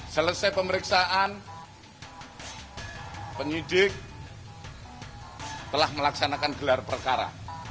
selesai pemeriksaan penyidik telah melaksanakan gelar perkara